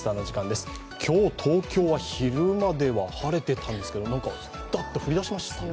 今日、東京は昼間では晴れていたんですけど、なんかダッと降り出しましたね。